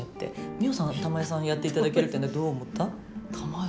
美穂さんは、玉恵さんにやっていただけるっていうのどう思った？